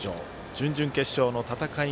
準々決勝の戦い